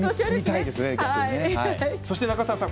そして中澤さん